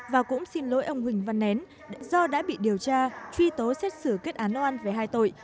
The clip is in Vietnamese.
và cũng xin lỗi ông huỳnh văn nén do đã bị điều tra truy tố xét xử kết án oan về hai tội